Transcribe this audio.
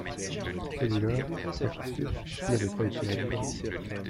Celui-là, à coup sûr, n'avait pas été à Blois.